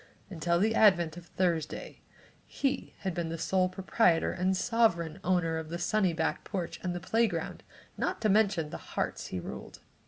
Until the advent of Thursday he had been sole proprietor and sovereign owner of the sunny back porch and playground, not to mention the hearts he ruled.